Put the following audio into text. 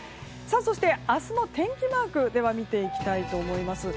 明日の天気マークを見ていきたいと思います。